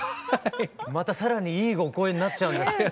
また更にいいお声になっちゃうんですかね